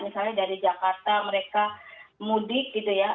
misalnya dari jakarta mereka mudik gitu ya